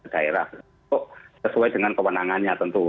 daerah itu sesuai dengan kewenangannya tentu